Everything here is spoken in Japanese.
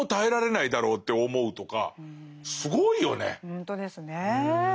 ほんとですね。